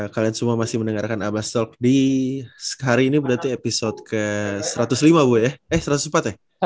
kalian semua masih mendengarkan abah stok di hari ini berarti episode ke satu ratus lima bu ya eh satu ratus empat ya